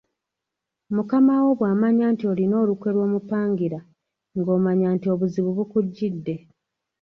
Mukama wo bw’amanya nti olina olukwe lw’omupangira ng’omanya nti obuzibu bukujjidde.